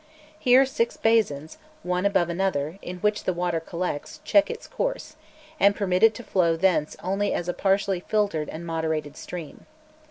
Here six basins, one above another, in which the water collects, check its course, and permit it to flow thence only as a partially filtered and moderated stream.